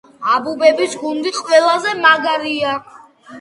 აბუბების გუნდი ყველაზე მაგრები